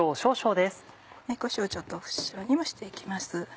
こしょうちょっと後ろにもして行きます。